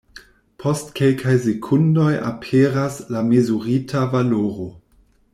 Post kelkaj sekundoj aperas la mezurita valoro.